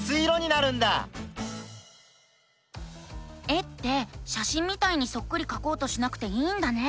絵ってしゃしんみたいにそっくりかこうとしなくていいんだね。